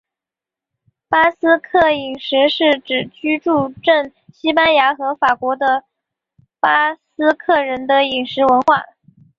巴斯克饮食是指居住证西班牙和法国的巴斯克人的饮食文化。